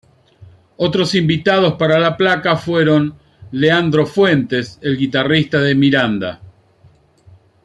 Otros invitados para la placa fueron: Leandro Fuentes, el guitarrista de Miranda!